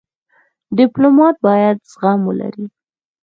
ډيپلومات باید زغم ولري.